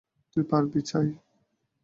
তুই পারবি, চাই।